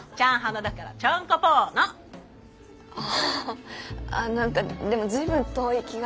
ああ何かでも随分遠い気が。